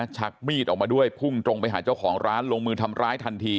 ชักมีดออกมาด้วยพุ่งตรงไปหาเจ้าของร้านลงมือทำร้ายทันที